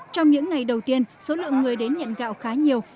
trong những ngày đầu tiên số lượng người đến nhận gạo khá nhiều